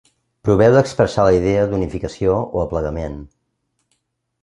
Proveu d'expressar la idea d'unificació o aplegament.